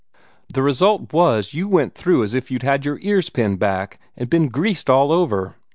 The result was you went through as if you'd had your ears pinned back, and been greased all over.